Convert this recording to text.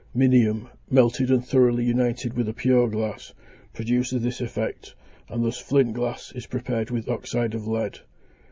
Minium, melted and thoroughly united with a pure glass, produces this effect, and thus flint glass (291) is prepared with oxyde of lead.